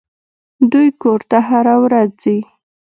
دوى کور ته هره ورځ ځي.